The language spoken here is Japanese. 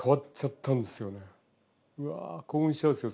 うわ興奮しちゃうんですよ